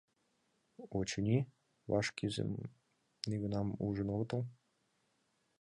Очыни, вашкӱзым нигунам ужын огытыл.